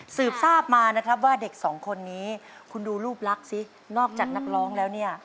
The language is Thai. สืบทราบมานะครับว่าเด็กสองคนนี้คุณดูรูปลักษณ์สินอกจากนักร้องแล้วเนี่ย